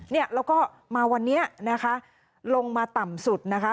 เนี่ยแล้วก็มาวันนี้นะคะลงมาต่ำสุดนะคะ